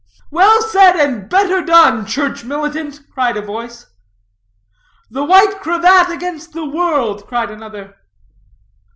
"Well said and better done, church militant!" cried a voice. "The white cravat against the world!" cried another.